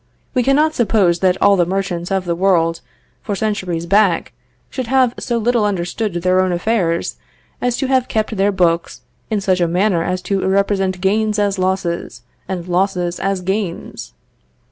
We cannot suppose that all the merchants of the world, for centuries back, should have so little understood their own affairs, as to have kept their books in such a manner as to represent gains as losses, and losses as gains.